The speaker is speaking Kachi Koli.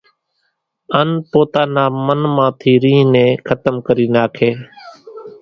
ان پوتا نا من مان ٿي رينۿ نين ختم ڪري ناکي،